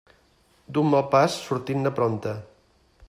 D'un mal pas, sortir-ne prompte.